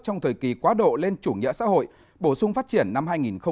trong thời kỳ quá độ lên chủ nghĩa xã hội bổ sung phát triển năm hai nghìn một mươi năm